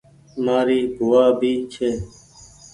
مآري ڀووآ بي ڇي ۔